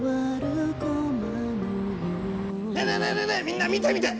みんな見て見て！